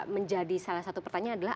menjadi salah satu pertanyaan adalah